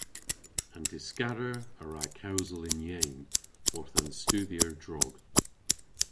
An dyskador a wra kewsel yn yeyn orth an studhyer drog.